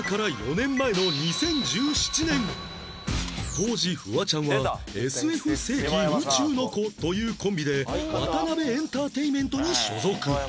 当時フワちゃんは ＳＦ 世紀宇宙の子というコンビでワタナベエンターテインメントに所属